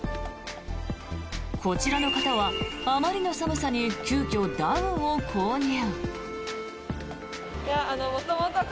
こちらの方はあまりの寒さに急きょ、ダウンを購入。